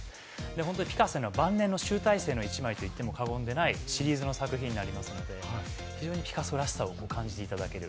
本当にピカソの晩年の集大成と言っても過言ではないシリーズの作品になりますので非常にピカソらしを感じていただける。